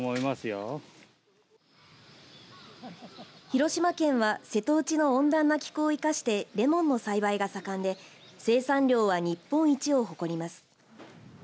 広島県は瀬戸内の温暖な気候を生かしてれもんの栽培が盛んで生産量は日本一を誇ります。